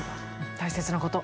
大切なこと。